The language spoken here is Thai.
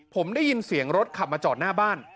ผมได้ยินเสียงรถขับมาจอดหน้าบ้าน